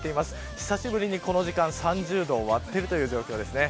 久しぶりにこの時間３０度を割っている状況です。